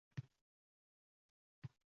O’zimizdan boshqa hech kim buni bilmaydi.